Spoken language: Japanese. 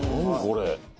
これ。